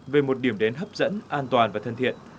về một điểm đến hấp dẫn an toàn và thân thiện